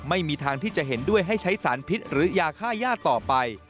ไม่มีทางที่จะเห็นด้วยให้ใช้สารพิษหรือยาฆ่าย่าต่อไป